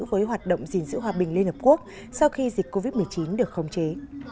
với hoạt động gìn giữ hòa bình liên hợp quốc sau khi dịch covid một mươi chín được khống chế